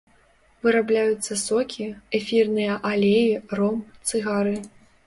Вырабляюцца сокі, эфірныя алеі, ром, цыгары.